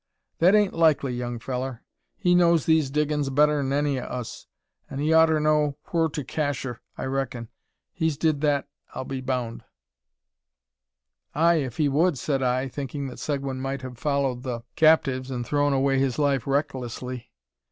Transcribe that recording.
"That ain't likely, young fellur. He knows these diggin's better'n any o' us; an' he oughter know whur to cacher, I reckin. He's did that, I'll be boun'." "Ay, if he would," said I, thinking that Seguin might have followed the captives, and thrown away his life recklessly.